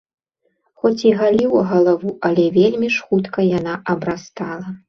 Хоць і галіў галаву, але вельмі ж хутка яна абрастала.